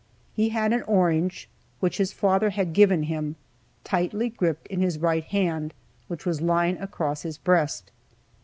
He had an orange, which his father had given him, tightly gripped in his right hand, which was lying across his breast.